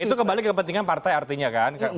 itu kembali kepentingan partai artinya kan